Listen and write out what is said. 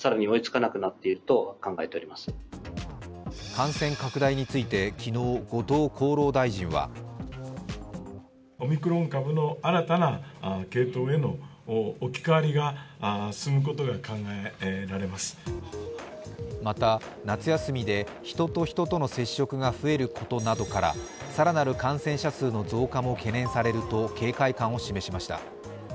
感染拡大について昨日、後藤厚労大臣はまた、夏休みで人と人との接触が増えることなどから更なる感染者数の増加も懸念されると警戒感を示しました。